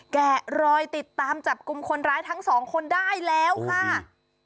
แกะรอยติดตามจับกลุ่มคนร้ายทั้งสองคนได้แล้วค่ะ